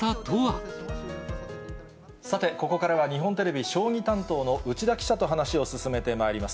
さて、ここからは日本テレビ、将棋担当の内田記者と話を進めてまいります。